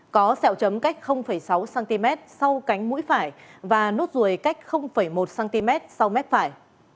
có sẹo chấm cách sáu cm sau cánh mũi phải và nốt ruồi cách một cm sau mép phải